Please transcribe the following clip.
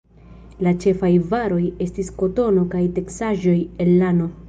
La ĉefaj varoj estis kotono kaj teksaĵoj el lano.